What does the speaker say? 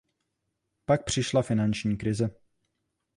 Pak přišla finanční krize.